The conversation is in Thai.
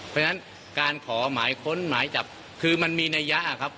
เพราะฉะนั้นการขอหมายค้นหมายจับคือมันมีนัยยะครับ